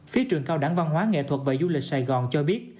phía trường cao đẳng văn hóa nghệ thuật và du lịch sài gòn cho biết